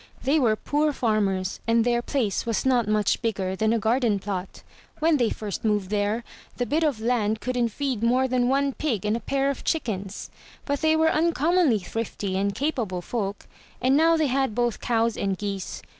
They were poor farmers, and their place was not much bigger than a garden plot. When they first moved there, the bit of land couldn't feed more than one pig and a pair of chickens; but they were uncommonly thrifty and capable folk — and now they had both cows and geese.